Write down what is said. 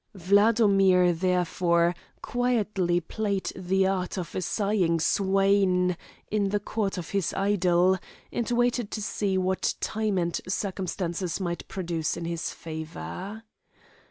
Wladomir, therefore quietly played the part of a sighing swain in the court of his idol, and waited to see what time and circumstances might produce in his favour.